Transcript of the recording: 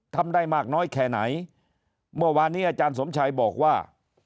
ทำได้มากน้อยแค่ไหนเมื่อวานนี้อาจารย์สมชัยบอกว่า